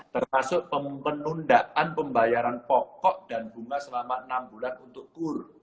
termasuk penundaan pembayaran pokok dan bunga selama enam bulan untuk kur